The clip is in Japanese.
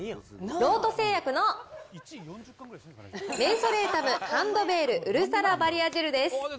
ロート製薬のメンソレータムハンドベールうるさらバリアジェ